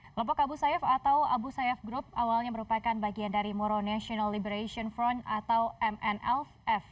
kelompok abu sayyaf atau abu sayyaf group awalnya merupakan bagian dari moro national liberation front atau mnlf